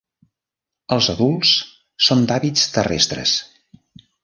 Els adults són d'hàbits terrestres.